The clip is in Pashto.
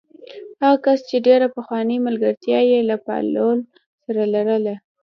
هغه کس چې ډېره پخوانۍ ملګرتیا یې له بهلول سره لرله.